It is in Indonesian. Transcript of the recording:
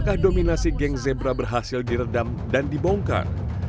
apakah dominasi geng zebra berhasil diredam dan dibongkar